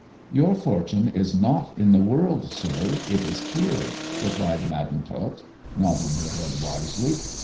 " Your fortune is not in the world, sir, it is here," replied Madam Tot, nodding her head wisely.